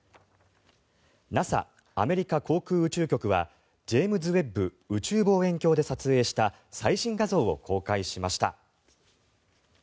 ＮＡＳＡ・アメリカ航空宇宙局はジェームズ・ウェッブ宇宙望遠鏡で撮影した最新画像を公開しました。